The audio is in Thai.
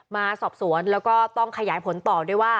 มาสอบสวนแล้วก็ต้องขยายผลต่อด้วยว่า